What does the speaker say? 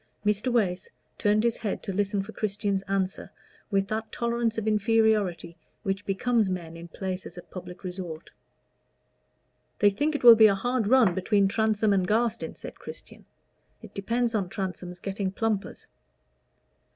Mr. Wace turned his head to listen for Christian's answer with that tolerance of inferiority which becomes men in places of public resort. "They think it will be a hard run between Transome and Garstin," said Christian. "It depends on Transome's getting plumpers."